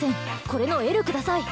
これのＬください